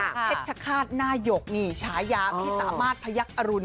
เพชรคาดหน้าหยกนี่ฉายาพิตามาสพยักดิ์อรุณ